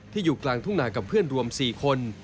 อยู่กลางทุ่งนากับเพื่อนรวม๔คน